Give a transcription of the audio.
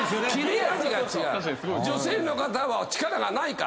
女性の方は力がないから。